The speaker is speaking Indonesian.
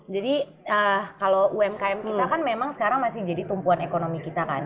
jadi kalau umkm kita kan memang sekarang masih jadi tumpuan ekonomi kita kan